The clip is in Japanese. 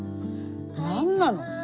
何なの？